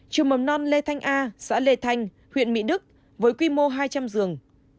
trường mầm non lê thanh a xã lê thanh huyện mỹ đức với quy mô hai trăm linh giường